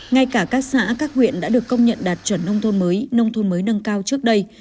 ngay cả các xã các huyện đã được công nhận đạt chuẩn nông thôn mới nông thôn mới nâng cao trước đây